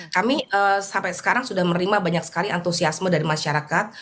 kami sampai sekarang sudah menerima banyak sekali antusiasme dari masyarakat